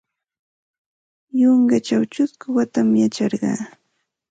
Yunkaćhaw ćhusku watam yacharqa.